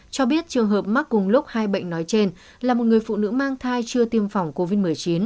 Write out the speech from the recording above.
cho biết trường hợp mắc cùng lúc hai bệnh nói trên là một người phụ nữ mang thai chưa tiêm phòng covid một mươi chín